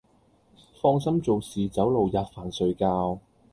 放心做事走路喫飯睡覺，